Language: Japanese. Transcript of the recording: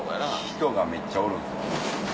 人がめっちゃおるんです。